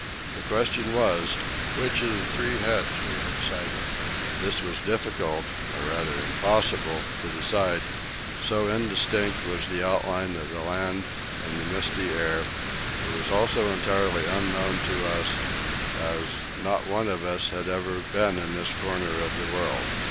The question was, which of the three heads we had sighted. This was difficult, or rather impossible, to decide, so indistinct was the outline of the land in the misty air; it was also entirely unknown to us, as not one of us had ever before been in this corner of the world.